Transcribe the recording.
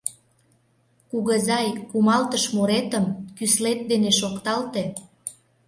— Кугызай, кумалтыш муретым кӱслет дене шокталте!